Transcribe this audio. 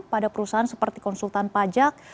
pada perusahaan seperti konsultan pajak